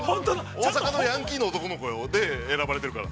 ◆大阪のヤンキーの男の子で選ばれているから。